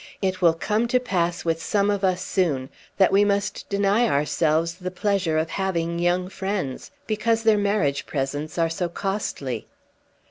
It will come to pass with some of us soon that we must deny ourselves the pleasure of having young friends, because their marriage presents are so costly.